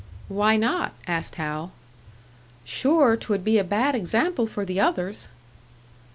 "Why not?" asked Hal. "Sure, 't would be a bad example for the others."